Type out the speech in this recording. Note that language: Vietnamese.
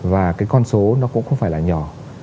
và cái con số nó cũng không phải là nhỏ